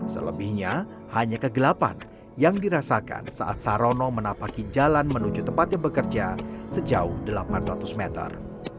selebihnya hanya kegelapan yang dirasakan saat sarono menapaki jalan menuju tempatnya bekerja sejauh delapan ratus meter